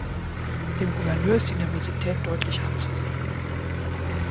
Dem Gouverneur ist die Nervosität deutlich anzusehen.